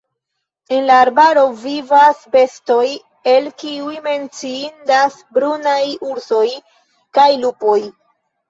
En la arbaro vivas bestoj, el kiuj menciindas brunaj ursoj kaj lupoj.